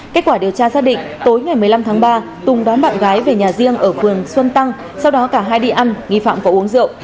kết quả điều tra xác định tối ngày một mươi năm tháng ba tùng đón bạn gái về nhà riêng ở phường xuân tăng sau đó cả hai đi ăn nghi phạm có uống rượu